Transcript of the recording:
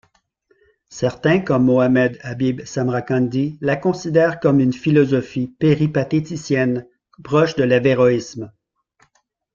Certains comme Mohammed Habib Samrakandi la considèrent comme une philosophie péripatéticienne proche de l'averroïsme.